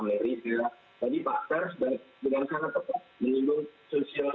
mari kita lihat berbagai negara yang sudah maju